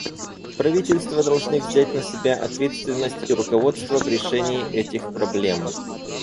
Правительства должны взять на себя ответственность и руководство в решении этих проблем.